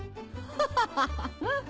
ハハハハ！